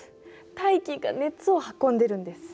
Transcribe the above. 大気が熱を運んでるんです。